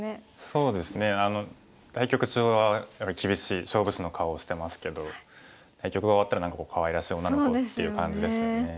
そうですね対局中はやっぱり厳しい勝負師の顔をしてますけど対局が終わったらかわいらしい女の子っていう感じですよね。